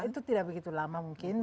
itu tidak begitu lama mungkin